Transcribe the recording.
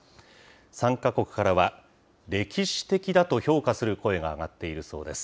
参加国からは、歴史的だと評価する声が上がっているそうです。